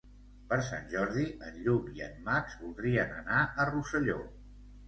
Per Sant Jordi en Lluc i en Max voldrien anar a Rosselló.